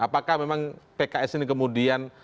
apakah memang pks ini kemudian